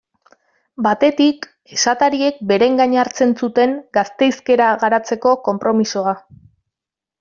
Batetik, esatariek beren gain hartzen zuten gazte hizkera garatzeko konpromisoa.